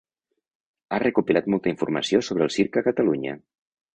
Ha recopilat molta informació sobre el circ a Catalunya.